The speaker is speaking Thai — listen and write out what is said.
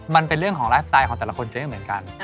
มันเป็นเรื่องของไลฟ์สไตล์ของแต่ละคนจะไม่เหมือนกัน